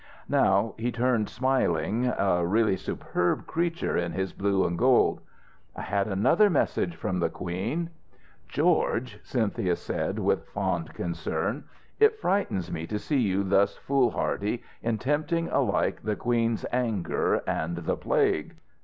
Now he turned, smiling, a really superb creature in his blue and gold. "I had another message from the Queen " "George," Cynthia said, with fond concern, "it frightens me to see you thus foolhardy, in tempting alike the Queen's anger and the Plague."